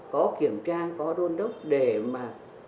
có kiểm tra có đôn đốc để mà